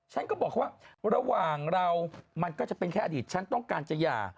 ฉันก็บอกว่าระหว่างเรามันก็จะเป็นแค่อดีตฉันต้องการจะหย่า